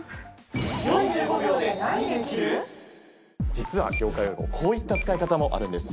実は業界用語こういった使い方もあるんです。